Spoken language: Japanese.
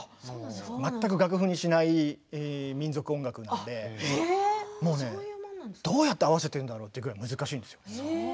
全く楽譜にしない民族音楽なのでどうやって合わせたらいいんだろうって難しいんですよ。